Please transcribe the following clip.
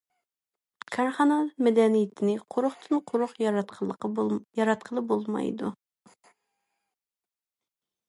كارخانا مەدەنىيىتىنى قۇرۇقتىن قۇرۇق ياراتقىلى بولمايدۇ.